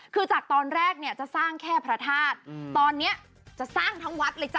คือจากตอนแรกเนี่ยจะสร้างแค่พระธาตุตอนนี้จะสร้างทั้งวัดเลยจ้